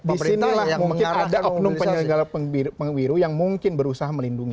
disinilah mungkin ada oknum penyelenggara pemilu yang mungkin berusaha melindungi